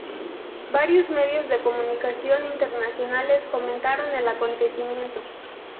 Varios medios de comunicación internacionales comentaron el acontecimiento.